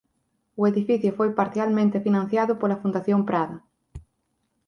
O edificio foi parcialmente financiado pola Fundación Prada.